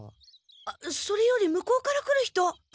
あっそれより向こうから来る人！